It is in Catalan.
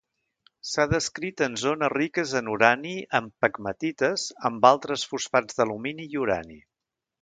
S’ha descrit en zones riques en urani en pegmatites amb altres fosfats d’alumini i urani.